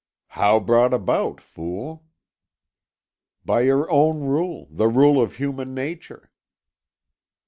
"How brought about, fool?" "By your own rule, the rule of human nature."